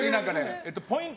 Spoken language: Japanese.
ポイント